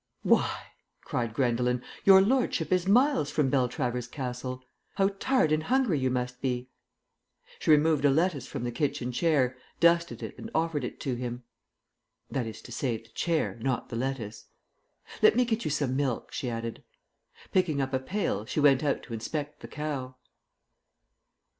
"Why," cried Gwendolen, "your lordship is miles from Beltravers Castle. How tired and hungry you must be." She removed a lettuce from the kitchen chair, dusted it, and offered it to him. (That is to say, the chair, not the lettuce.) "Let me get you some milk," she added. Picking up a pail, she went out to inspect the cow.